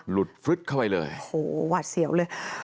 หวาดเสี่ยวเลย